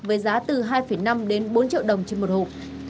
với giá từ hai năm đến bốn triệu đồng trên một hộp